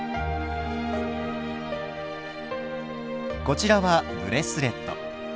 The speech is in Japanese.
こちらはブレスレット。